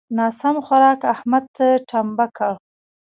ناسم خوارک؛ احمد ټمبه کړ.